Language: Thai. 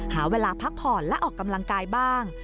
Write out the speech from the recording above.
หาเวลาพักผ่อนและออกกำลังกายบ้าง